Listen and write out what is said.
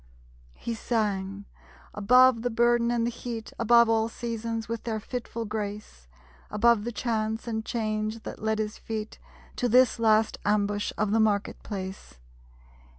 _ He sang; above the burden and the heat, Above all seasons with their fitful grace; Above the chance and change that led his feet To this last ambush of the Market place.